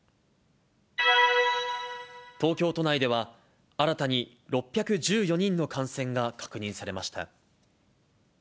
東京都内では、新たに６１４人の感染が確認されました。